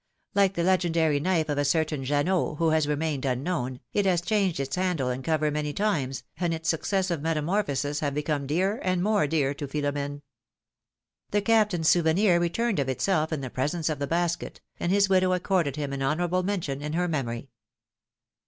Like the legendary knife of a certain Jeannot, who has remained unknown, it had changed its handle and cover many times, and in its successive metamorphoses had become dearer and more dear to Philom^ne. The Captain's souvenir returned of itself in the presence of the basket, and his widow accorded him an honorable mention in her memory.